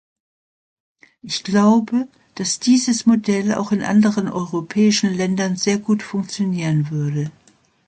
Ich glaube, dass dieses Modell auch in anderen europäischen Ländern sehr gut funktionieren würde.